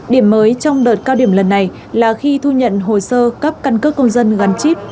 điểm mới trong đợt cao điểm lần này là khi thu nhận hồ sơ cấp căn cước công dân gắn chip